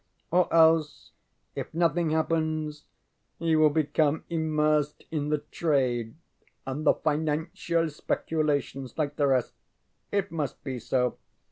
Or else, if nothing happens he will become immersed in the trade and the financial speculations like the rest. It must be so.